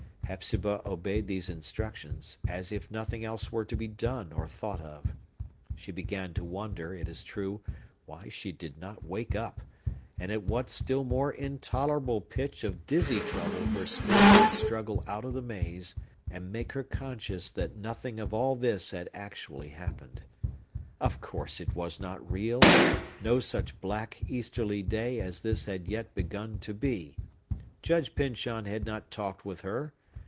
Hepzibah obeyed these instructions, as if nothing else were to be done or thought of. She began to wonder, it is true, why she did not wake up, and at what still more intolerable pitch of dizzy trouble her spirit would struggle out of the maze, and make her conscious that nothing of all this had actually happened. Of course it was not real; no such black, easterly day as this had yet begun to be; Judge Pyncheon had not talked with, her.